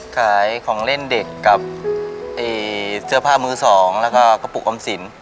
ขายของเล่นเด็กกับเสื้อผ้ามือสองแล้วก็กระปุกออมสิน